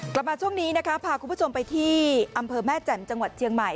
กลับมาช่วงนี้นะคะพาคุณผู้ชมไปที่อำเภอแม่แจ่มจังหวัดเชียงใหม่